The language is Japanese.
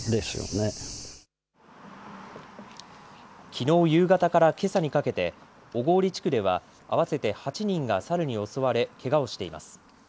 きのう夕方からけさにかけて小郡地区では合わせて８人がサルに襲われ、けがをしています。